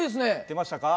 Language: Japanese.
出ましたか？